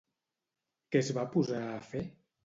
Què es va posar a fer?